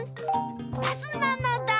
バスなのだ！